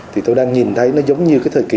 thì tôi đang nhìn thấy nó giống như cái thời kỳ